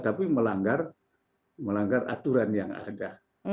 tapi melanggar aturan yang ada